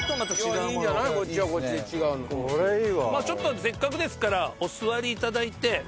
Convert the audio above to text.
ちょっとせっかくですからお座り頂いて。